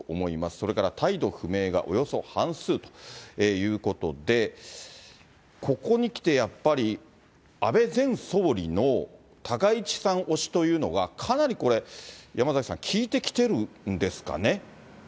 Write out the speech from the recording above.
それから態度不明がおよそ半数ということで、ここに来てやっぱり安倍前総理の高市さん推しというのがかなりこれ、山崎さん、効いてきてるんですかね。